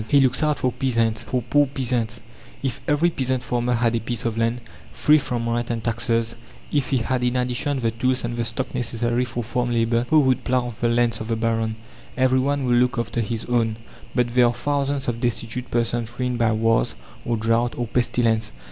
He looks out for peasants for poor peasants! If every peasant farmer had a piece of land, free from rent and taxes, if he had in addition the tools and the stock necessary for farm labour Who would plough the lands of the baron? Everyone would look after his own. But there are thousands of destitute persons ruined by wars, or drought, or pestilence.